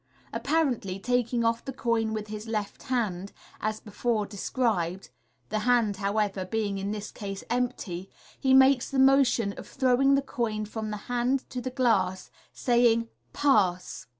Apparently taking off the coin with his left hand, as before described (the hand, however, being in this case empty), he makes the motion of throwing the coin from the hand to the glass, saying, " Pass